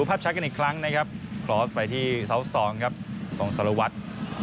ภาพชัดกันอีกครั้งนะครับคลอสไปที่เสา๒ครับของสารวัตร